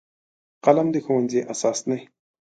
قلم د ښوونځي اساس دی